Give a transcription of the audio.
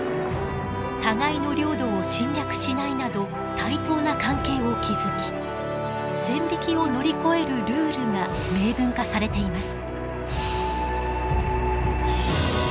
「互いの領土を侵略しない」など対等な関係を築き線引きを乗り越えるルールが明文化されています。